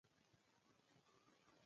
د پنجشیر غنم د سیند په غاړه دي.